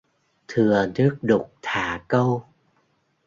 Thừa nước đục thả câu